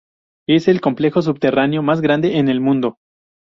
Es el complejo subterráneo más grande en el mundo.